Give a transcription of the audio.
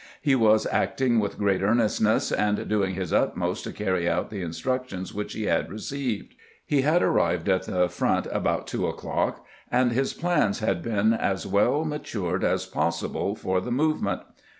He was acting with great earnest ness, and doing his utmost to carry out the instructions which hfe had received. He had arrived at the front about two o'clock, and his plans had been as well ma tured as possible for the movement.